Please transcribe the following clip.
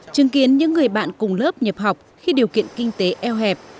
chứng kiến những người bạn cùng lớp nhập học khi điều kiện kinh tế eo hẹp